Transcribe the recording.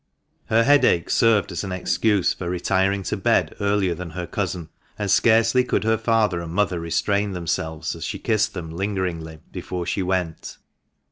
Her headache served as an excuse for retiring to bed earlier than her cousin, and scarcely could her father and mother restrain themselves as she kissed them lingeringly before she went.